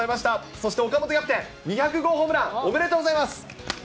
そして岡本キャプテン、２００号ホームラン、おめでとうございます。